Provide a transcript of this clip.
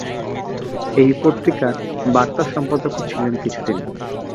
এই পত্রিকার বার্তা সম্পাদকও ছিলেন কিছুদিন।